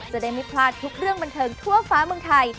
จะได้ไม่พลาดทุกเรื่องบันเทิงทั่วฟ้าเมืองไทย